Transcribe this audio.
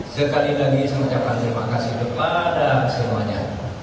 sekali lagi saya ucapkan terima kasih kepada semuanya